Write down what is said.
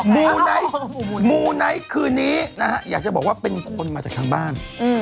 ผีผู้ชายกว่าเป็นเพื่อน